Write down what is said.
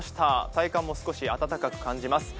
体感も少し暖かく感じます。